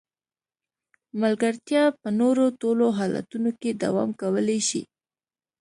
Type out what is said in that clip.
ملګرتیا په نورو ټولو حالتونو کې دوام کولای شي.